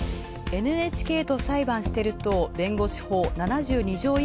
ＮＨＫと裁判してる党弁護士法７２条